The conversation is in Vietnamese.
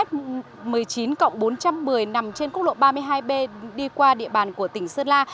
một mươi chín cộng bốn trăm một mươi nằm trên quốc lộ ba mươi hai b đi qua địa bàn của tỉnh sơn la